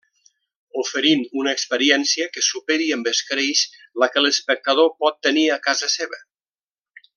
Oferint una experiència que superi amb escreix la que l'espectador pot tenir a casa seva.